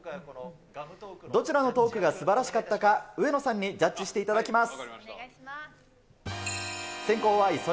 どちらのトークがすばらしかったか、上野さんにジャッジしていただきます。